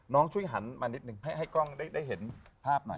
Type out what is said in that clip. ช่วยหันมานิดนึงให้กล้องได้เห็นภาพหน่อย